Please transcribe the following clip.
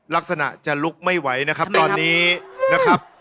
ลักษณะจะลุกไม่ไหวนะครับตอนนี้นะครับ